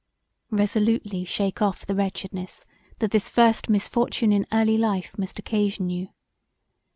Resolutely shake of[f] the wretchedness that this first misfortune in early life must occasion you.